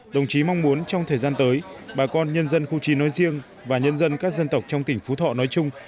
đồng chí mong muốn trong thời gian tới bà con nhân dân khu trí nói riêng và nhân dân các dân tộc trong tỉnh phú thọ nói chung